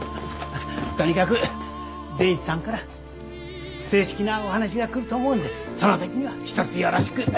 とにかく善一さんから正式なお話が来ると思うのでその時にはひとつよろしく。